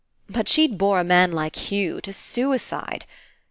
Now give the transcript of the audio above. But she'd bore a man like Hugh to suicide.